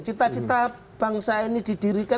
cita cita bangsa ini didirikan